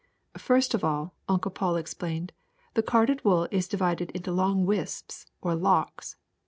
'' First of all, '' Uncle Paul explained, '' the carded wool is divided into long wisps or locks.